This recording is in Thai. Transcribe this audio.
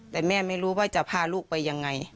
แต่แม่ไม่รู้ว่าจะพาลูกไปยังไง